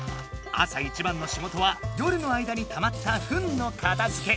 朝一番のしごとは夜の間にたまったフンのかたづけ。